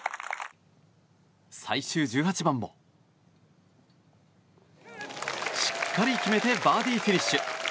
最終１８番も、しっかり決めてバーディーフィニッシュ！